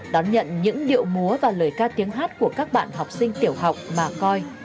đón nhận những điệu múa và lời ca tiếng hát của các bạn học sinh tiểu học mà coi